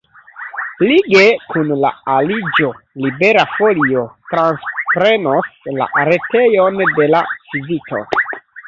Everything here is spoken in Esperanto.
Lige kun la aliĝo Libera Folio transprenos la retejon de la Civito.